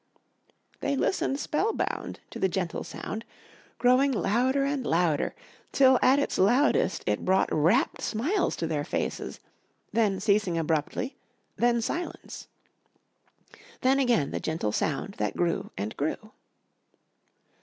They listened spellbound to the gentle sound, growing louder and louder till at its loudest it brought rapt smiles to their faces, then ceasing abruptly, then silence. Then again the gentle sound that grew and grew.